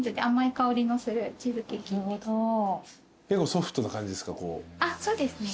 ソフトな感じですか？